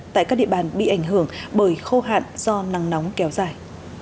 tại các địa bàn bị ảnh hưởng bởi khô hạn do nắng nóng kéo dài